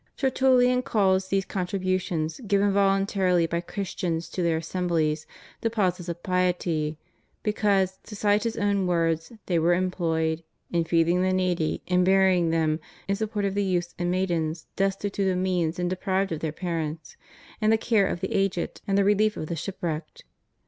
TertuUian calls these contributions, given voluntarily by Christians in their assemblies, deposits of piety; because, to cite his own words, they were employed "in feeding the needy, in burying them, in the support of youths and maidens destitute of means and deprived of their parents, in the care of the aged, and the relief of the shipwrecked."